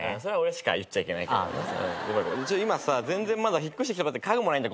今さまだ引っ越してきたばかりで家具もないんだ。